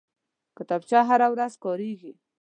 کتابچه هره ورځ کارېږي